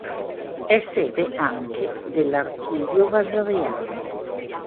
È sede anche dell'Archivio Vasariano.